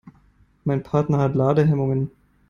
Mein Partner hat Ladehemmungen.